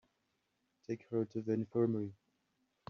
Take her to the infirmary.